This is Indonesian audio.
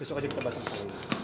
mesok aja kita bahas emas bhw